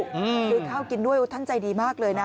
ซื้อข้าวกินด้วยท่านใจดีมากเลยนะ